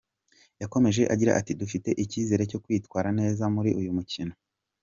Yakomeje agira ati “Dufite icyizere cyo kwitwara neza muri uyu mukino.